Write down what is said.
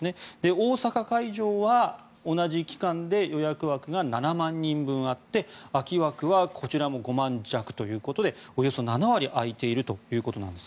大阪会場は同じ期間で予約枠が７万人分あって空き枠はこちらも５万弱ということでおよそ７割空いているということなんです。